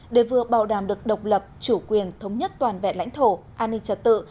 để vừa bảo đảm được độc lập chủ quyền thống nhất toàn vẹn lãnh thổ an ninh trật tự